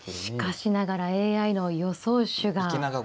しかしながらＡＩの予想手が。